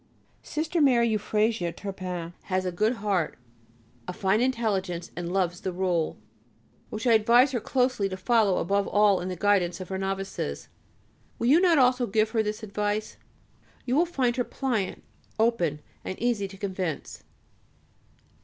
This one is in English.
Sister Mary Euphrasia Turpin has a good heart, a fine intelligence, and loves the Rule, which I advise her closely to follow, above all in the guidance of her Novices. Will you not also give her this advice? You will find her pliant, open, and easy to convince.